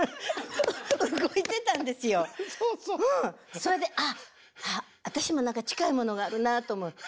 それであっ私も何か近いものがあるなと思って。